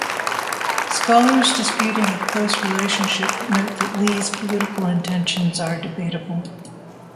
Scholars disputing a close relationship note that Li's political intentions are debatable.